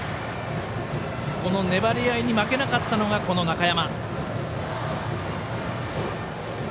粘り合いに負けなかったのがこの中山。